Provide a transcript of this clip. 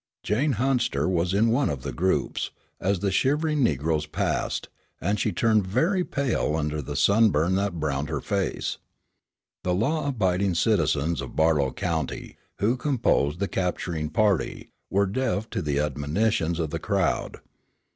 Jane Hunster was in one of the groups, as the shivering negroes passed, and she turned very pale even under the sunburn that browned her face. The law abiding citizens of Barlow County, who composed the capturing party, were deaf to the admonitions of the crowd.